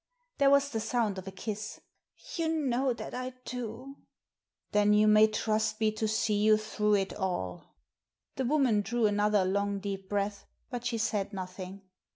There was the sound of a kiss. *'You know that I do." "Then you may trust me to see you through it all." The woman drew another long deep breath, but she said nothing.